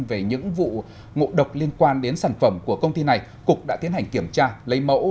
về những vụ ngộ độc liên quan đến sản phẩm của công ty này cục đã tiến hành kiểm tra lấy mẫu